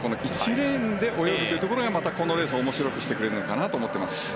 １レーンで泳ぐというところがまたこのレースを面白くしてくれるのかなと思っています。